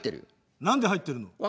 何で入ってるの？